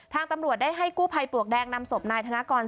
ตำรวจได้ให้กู้ภัยปลวกแดงนำศพนายธนกร